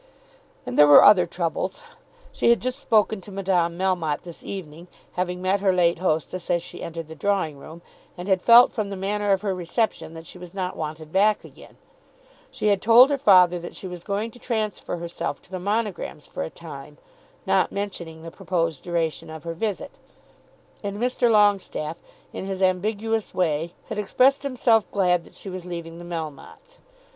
And there were other troubles. She had just spoken to Madame Melmotte this evening, having met her late hostess as she entered the drawing room, and had felt from the manner of her reception that she was not wanted back again. She had told her father that she was going to transfer herself to the Monograms for a time, not mentioning the proposed duration of her visit, and Mr. Longestaffe, in his ambiguous way, had expressed himself glad that she was leaving the Melmottes.